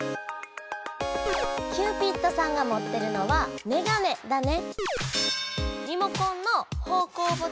キューピッドさんがもってるのは「めがね」だね！